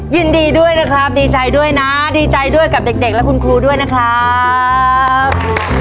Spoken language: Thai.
ยินดีด้วยนะครับดีใจด้วยนะดีใจด้วยกับเด็กและคุณครูด้วยนะครับ